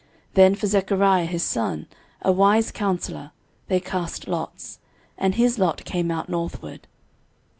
Then for Zechariah his son, a wise counsellor, they cast lots; and his lot came out northward.